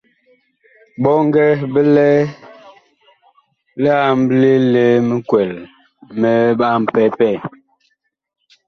Bɔŋgɛ bi lɛ li amɓle li mikwɛl mi ɓapɛpɛɛ.